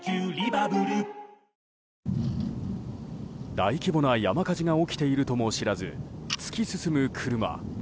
大規模な山火事が起きているとも知らず突き進む車。